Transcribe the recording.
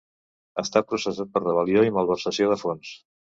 Està processat per rebel·lió i malversació de fons.